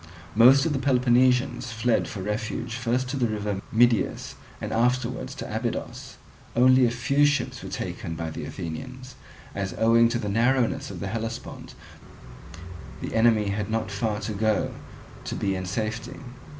Most of the Peloponnesians fled for refuge first to the river Midius, and afterwards to Abydos. Only a few ships were taken by the Athenians; as owing to the narrowness of the Hellespont the enemy had not far to go to be in safety.